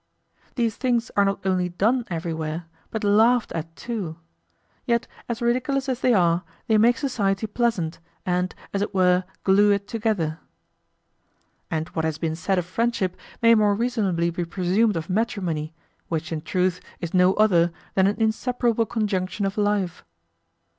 These things are not only done everywhere but laughed at too; yet as ridiculous as they are, they make society pleasant, and, as it were, glue it together. And what has been said of friendship may more reasonably be presumed of matrimony, which in truth is no other than an inseparable conjunction of life.